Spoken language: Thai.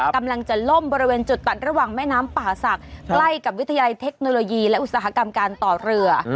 กำลังจะล่มบริเวณจุดตัดระหว่างแม่น้ำป่าศักดิ์ใกล้กับวิทยาลัยเทคโนโลยีและอุตสาหกรรมการต่อเรือ